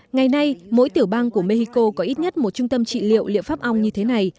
ngày nay mỗi tiểu bang của mexico có ít nhất một trung tâm trị liệu liệu pháp ong như thế này